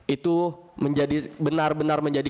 itu menjadi benar benar menjadi